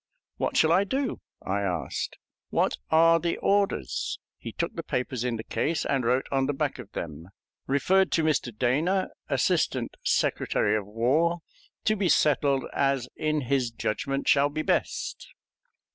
"What shall I do?" I asked; "what are the orders?" He took the papers in the case and wrote on the back of them: Referred to Mr. Dana, Assistant Secretary of War, to be settled as in his judgment shall be best.